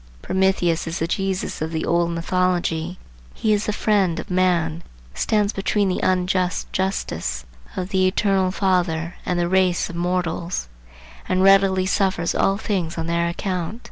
Prometheus is the Jesus of the old mythology. He is the friend of man; stands between the unjust "justice" of the Eternal Father and the race of mortals, and readily suffers all things on their account.